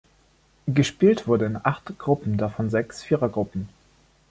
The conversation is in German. Gespielt wurde in acht Gruppen, davon sechs Vierergruppen.